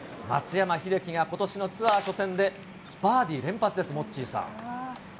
松山英樹がことしのツアー初戦でバーディー連発です、モッチーさん。